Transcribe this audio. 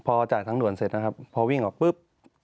พอจ่ายทางด่วนเสร็จนะครับพอวิ่งออกปุ๊บ